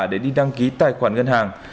để đi đăng ký tài khoản ngân hàng